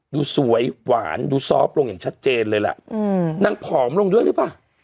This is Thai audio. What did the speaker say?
ดูสวยหวานดูซอฟต์ลงอย่างชัดเจนเลยล่ะนางผอมลงด้วยหรือเปล่า